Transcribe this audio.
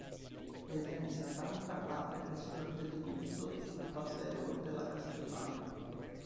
Negli anni Sessanta apre ristorante di lusso sul Paseo de la Castellana.